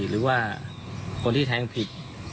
หรือว่าคนที่แทงผิด